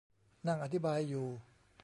นั่งอธิบายอยู่